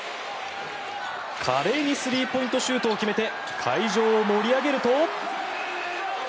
華麗にスリーポイントシュートを決めて会場を盛り上げると。